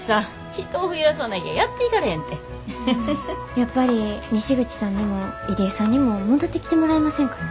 やっぱり西口さんにも入江さんにも戻ってきてもらえませんか？